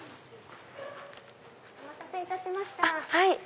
お待たせいたしました。